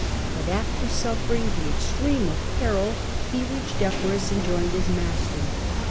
But after suffering the extreme of peril he reached Epirus and joined his master.